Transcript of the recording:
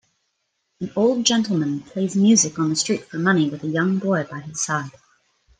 An old gentleman plays music on the street for money with a young boy by his side.